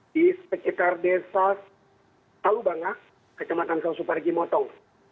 di sekitar desa talubanga kecematan sulawesi parigi mutong